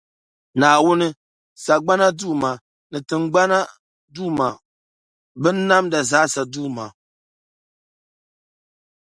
Naawuni, sagbana Duuma, ni tiŋgbani duuma, binnamda zaasa duuma.